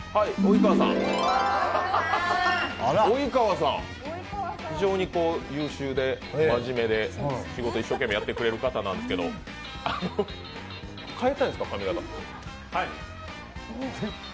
及川さん、非常に優秀で真面目で仕事一生懸命やってくれる方なんですけど、変えたいんですか？